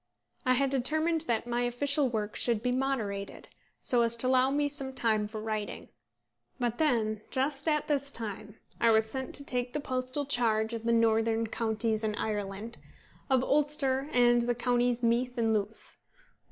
I had determined that my official work should be moderated, so as to allow me some time for writing; but then, just at this time, I was sent to take the postal charge of the northern counties in Ireland, of Ulster, and the counties Meath and Louth.